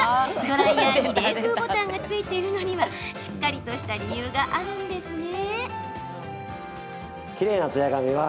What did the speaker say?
ドライヤーに冷風ボタンがついているのにはしっかりとした理由があるんですね。